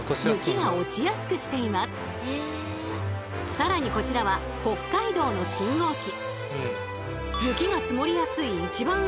更にこちらは北海道の信号機。